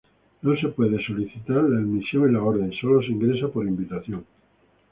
No se puede solicitar la admisión en la Orden; sólo se ingresa por invitación.